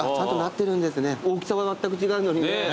大きさはまったく違うのに。